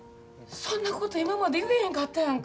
そんなこと今まで言えへんかったやんか。